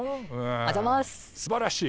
すばらしい。